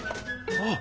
あっ！